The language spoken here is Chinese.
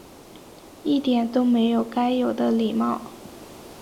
一点都没有该有的礼貌